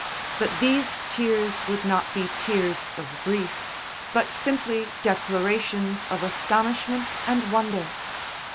But these tears would not be tears of grief, but simply declarations of astonishment and wonder.